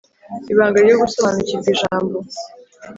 Ibanga ryo gusobanukirwa Ijambo